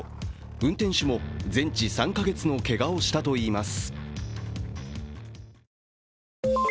運転手も全治３か月のけがをしたといいます。